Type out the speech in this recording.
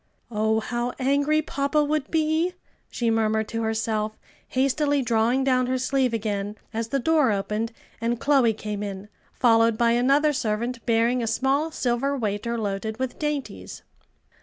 "Oh, how angry papa would be!" she murmured to herself, hastily drawing down her sleeve again as the door opened and Chloe came in, followed by another servant bearing a small silver waiter loaded with dainties.